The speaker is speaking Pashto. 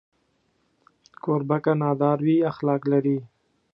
کوربه که نادار وي، اخلاق لري.